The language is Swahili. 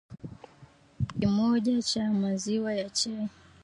kikombe kimoja cha maziwa ya chai